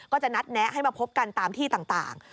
ก็จะนัดแนะให้มาพบกันตามที่ต่าง